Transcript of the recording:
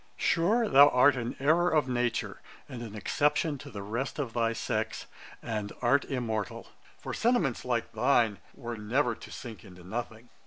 Sure, thou art an errour of nature, and an exception to the rest of thy sex, and art immortal; for sentiments like thine were never to sink into nothing.